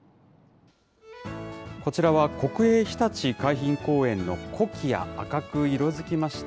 こちらは国営ひたち海浜公園のコキア、赤く色づきました。